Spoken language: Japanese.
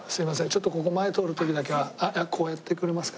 ちょっとここ前を通る時だけはこうやってくれますか？